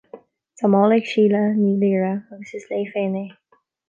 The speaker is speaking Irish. Tá mála ag Síle Ní Laoire, agus is léi féin é